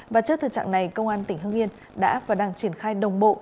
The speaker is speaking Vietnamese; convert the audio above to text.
và trước thực trạng này công an tỉnh hưng yên đã và đang triển khai đồng bộ